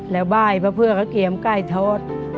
แล้วบ้ายพ่อเพื่อก็เกลียมไก้ทศ